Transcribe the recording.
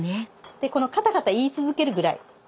でこのカタカタ言い続けるぐらい。